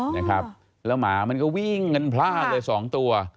นี่ครับแล้วหมามันก็วิ่งเงินพลาดเลย๒ตัว